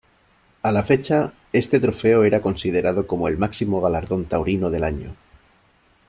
A la fecha, este trofeo era considerado como el máximo galardón taurino del año.